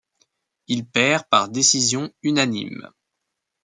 Il perd par décision unanime.